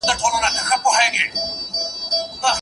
د لارښووني لړۍ نه درول کېږي.